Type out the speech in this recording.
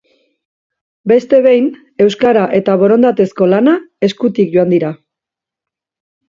Beste behin, euskara eta borondatezko lana eskutik joan dira.